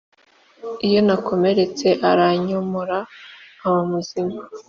iyo nakomeretse aranyomora nkaba muzima